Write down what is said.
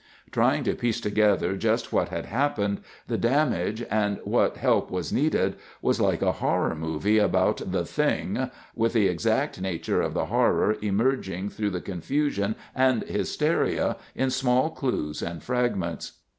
Trying to piece together just what had happened, the damage, and what help was needed was like a horror movie about "THE THING," with the exact nature of the horror emerging through the confusion and hysteria in small clues and fragments.